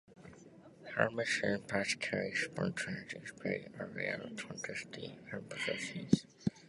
Hemarthrosis, particularly spontaneous, is very rare, in contrast to the hemophilias.